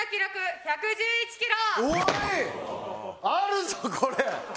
あるぞこれ。